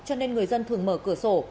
cho nên người dân thường mở cửa sổ